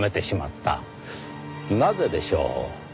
なぜでしょう？